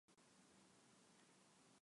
亦是其中一个区间车终点站。